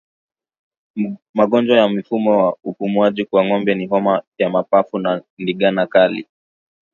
Magonjwa ya mfumo wa upumuaji kwa ngombe ni homa ya mapafu na ndigana kali